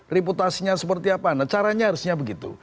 reputasinya seperti apa nah caranya harusnya begitu